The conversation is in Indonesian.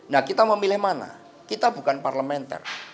nah kita mau milih mana kita bukan parlementer